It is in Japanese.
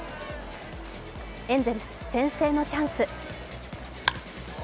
エンゼルス、先制のチャンス。